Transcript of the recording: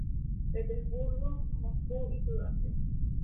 Petersburgo, Moscú y Sudáfrica.